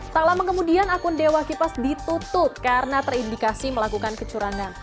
tak lama kemudian akun dewa kipas ditutup karena terindikasi melakukan kecurangan